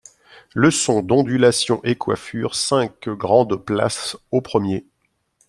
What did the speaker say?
Leçons d'ondulations et coiffures, cinq, Grande-Place, au premier.